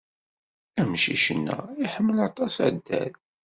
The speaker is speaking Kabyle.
Amcic-nneɣ iḥemmel aṭas adal.